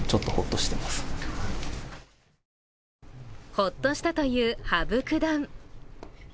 ホッとしたという羽生九段。